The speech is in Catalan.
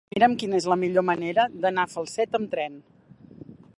Mira'm quina és la millor manera d'anar a Falset amb tren.